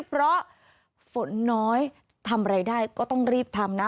เพราะฝนน้อยทำอะไรได้ก็ต้องรีบทำนะ